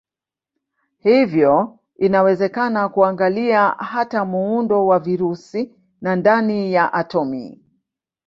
Hivyo inawezekana kuangalia hata muundo wa virusi na ndani ya atomi.